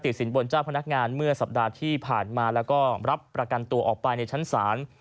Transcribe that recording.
สินบนเจ้าพนักงานเมื่อสัปดาห์ที่ผ่านมาแล้วก็รับประกันตัวออกไปในชั้นศาล